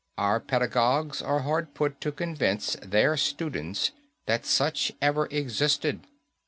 Our pedagogues are hard put to convince their students that such ever existed.